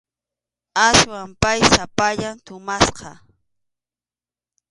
Aswan pay sapallan tumasqa.